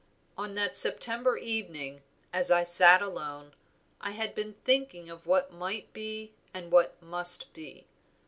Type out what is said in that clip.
"On that September evening, as I sat alone, I had been thinking of what might be and what must be.